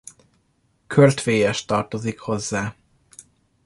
Körtvélyes tartozik hozzá.